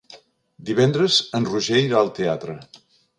Divendres en Roger irà al teatre.